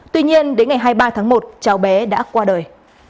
tuy nhiên đến ngày hai mươi ba tháng một cháu bé đã qua đời